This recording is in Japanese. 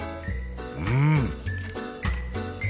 うん！